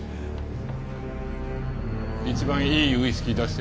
一番いいウイスキー出して。